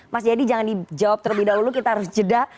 mas jayadi jangan dijawab terlebih dahulu kita harus jeda